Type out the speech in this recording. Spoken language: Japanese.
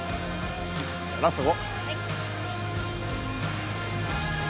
ラスト５。